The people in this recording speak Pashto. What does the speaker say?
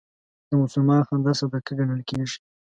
د مسلمان خندا صدقه ګڼل کېږي.